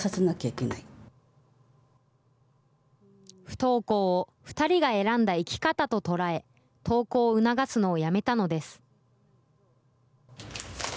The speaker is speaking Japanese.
不登校を２人が選んだ生き方と捉え、登校を促すのをやめたのです。